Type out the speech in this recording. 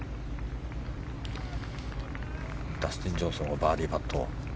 ダスティン・ジョンソンのバーディーパット。